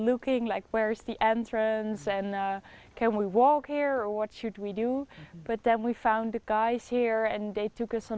ya aku sangat suka pertama kita datang dengan sepeda kita sedikit mencari tempat masuk bisa kita berjalan ke sini atau apa yang harus kita lakukan